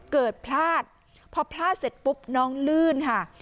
เกิดพลาดพอพลาดเสร็จปุ๊บน้องลื่นค่ะ